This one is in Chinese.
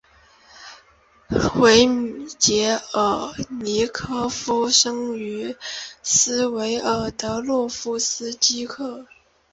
维捷尔尼科夫生于斯维尔德洛夫斯克。